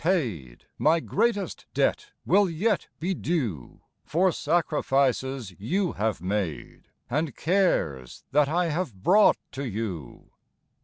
'* 7^0 My greatest debt will yet be due For sacrifices you bave made And cares that I have brought to you.